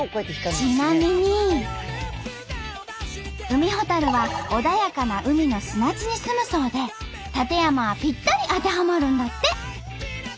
ウミホタルは穏やかな海の砂地にすむそうで館山はぴったり当てはまるんだって。